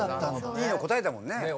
いいの答えたもんね。